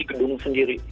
di gedung sendiri